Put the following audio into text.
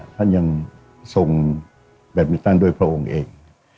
ท่านยังทรงแบตมินตันด้วยพระองค์เอง